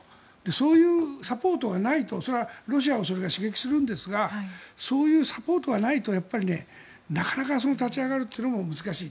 そういうサポートがないとそれはロシアを刺激するんですがそういうサポートがないとやっぱりなかなか立ち上がるというのも難しい。